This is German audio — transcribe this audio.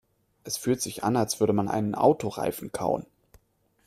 Es fühlt sich an, als würde man einen Autoreifen kauen.